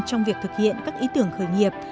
trong việc thực hiện các ý tưởng khởi nghiệp